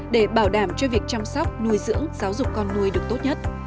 để bảo đảm cho việc chăm sóc nuôi dưỡng giáo dục con nuôi được tốt nhất